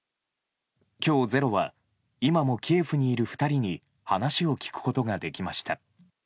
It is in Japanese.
今日「ｚｅｒｏ」は今もキエフにいる２人に話を聞くことができました。